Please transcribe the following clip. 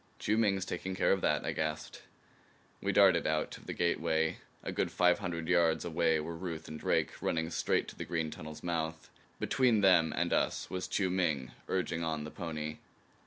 "Chiu Ming's taking care of that," I gasped. We darted out of the gateway. A good five hundred yards away were Ruth and Drake, running straight to the green tunnel's mouth. Between them and us was Chiu Ming urging on the pony.